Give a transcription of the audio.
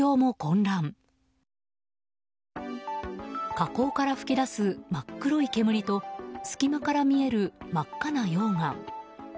火口から噴き出す真っ黒い煙と隙間から見える真っ赤な溶岩。